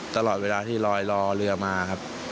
ตลอดเวลาที่ลอยรอเรือมาครับ